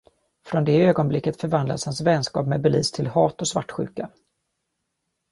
Från det ögonblicket förvandlades hans vänskap med Belize till hat och svartsjuka.